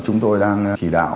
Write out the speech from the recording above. chúng tôi đang chỉ đạo